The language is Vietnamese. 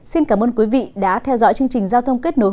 xin cảm ơn quý vị đã theo dõi chương trình giao thông kết nối